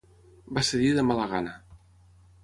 Va cedir de mala gana.